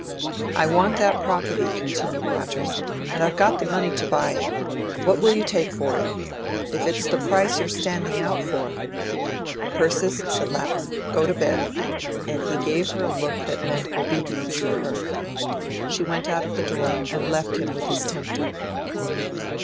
"I want that property," continued Rogers, "and I've got the money to buy it. What will you take for it? If it's the price you're standing out for " "Persis," said Lapham, "go to bed," and he gave her a look that meant obedience for her. She went out of the door, and left him with his tempter.